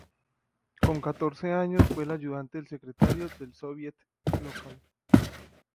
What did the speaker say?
Con catorce años fue el ayudante del secretario del sóviet local.